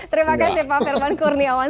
terima kasih pak firman kurniawan